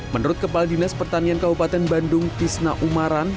menurut kepala dinas pertanian kabupaten bandung tisna umaran